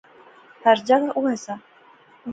ہر جاغا اوہے سا